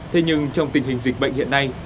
thế nhưng trong tình hình dịch bệnh hiện nay